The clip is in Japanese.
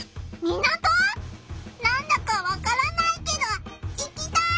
なんだかわからないけど行きたい！